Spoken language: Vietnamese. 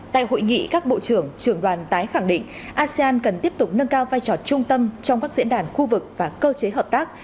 tại hội nghị các bộ trưởng trường đoàn tái khẳng định asean cần tiếp tục nâng cao vai trò trung tâm trong các diễn đàn khu vực và cơ chế hợp tác